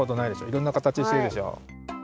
いろんな形してるでしょ。